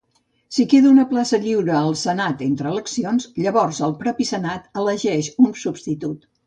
Si queda una plaça lliure al senat entre eleccions, llavors el propi senat elegeix un substitut.